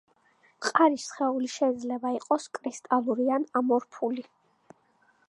მყარი სხეული შეიძლება იყოს კრისტალური ან ამორფული.